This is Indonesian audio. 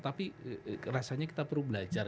tapi rasanya kita perlu belajar